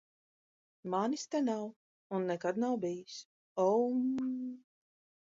Manis te nav. Un nekad nav bijis. Oummm...